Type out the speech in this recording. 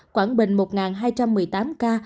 quảng bình một hai trăm một mươi tám ca